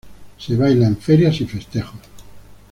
Se baila en ferias y festejos.